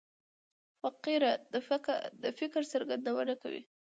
فقره د فکر څرګندونه کوي.